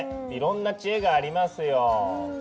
いろんな知恵がありますよ。